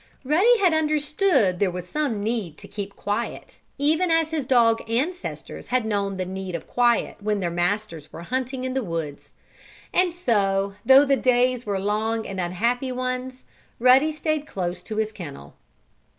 Ruddy had understood there was some need to keep quiet, even as his dog ancestors had known the need of quiet when their masters were hunting in the woods. And so though the days were long and unhappy ones, Ruddy stayed close to his kennel.